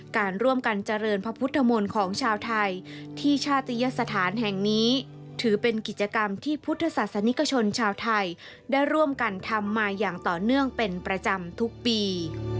ที่พุทธศาสนิกชนชาวไทยได้ร่วมกันทำมาอย่างต่อเนื่องเป็นประจำทุกปี